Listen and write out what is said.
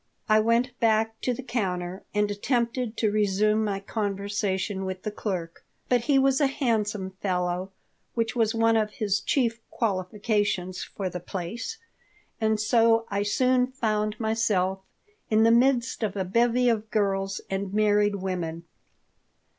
I went back to the counter and attempted to resume my conversation with the clerk, but he was a handsome fellow, which was one of his chief qualifications for the place, and so I soon found myself in the midst of a bevy of girls and married women.